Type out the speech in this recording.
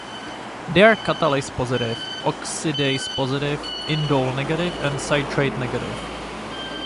They are catalase positive, oxidase positive, indole negative and citrate negative.